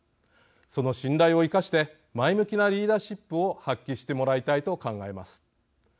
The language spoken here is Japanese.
その信頼を生かして前向きなリーダーシップを発揮してもらいたいと考えます。